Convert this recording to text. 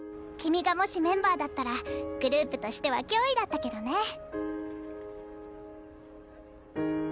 君がもしメンバーだったらグループとしては脅威だったけどね。